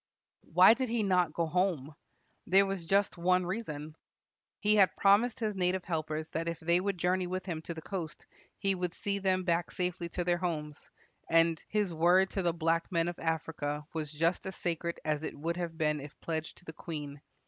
Why did he not go home? There was just one reason. He had promised his native helpers that if they would journey with him to the coast, he would see them back safely to their homes, and "his word to the black men of Africa was just as sacred as it would have been if pledged to the queen.